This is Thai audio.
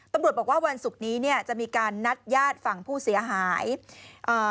ตำรวจบอกว่าวันศุกร์นี้เนี่ยจะมีการนัดญาติฝั่งผู้เสียหายอ่า